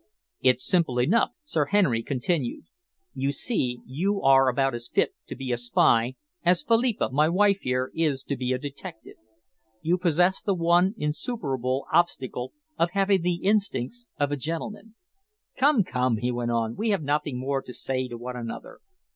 "It's simple enough," Sir Henry continued. "You see, you are about as fit to be a spy as Philippa, my wife here, is to be a detective. You possess the one insuperable obstacle of having the instincts of a gentleman. Come, come," he went on, "we have nothing more to say to one another.